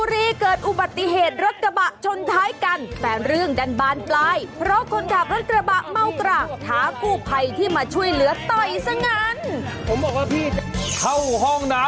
รีเกิดอุบัติเหตุรัฐบะชนท้ายกันแปลงเรื่องดันบานตลายเพราะคนข่าวรัฐบะเมาป์กร่าบถามผู้ช่วยเลือดต่อยซะกัน